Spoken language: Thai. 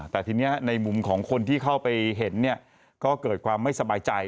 แต่ทีนี้ในมุมของคนที่เข้าไปเห็นก็เกิดความไม่สบายใจ